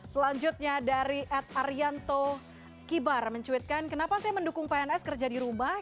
selanjutnya dari ed arianto kibar mencuitkan kenapa saya mendukung pns kerja di rumah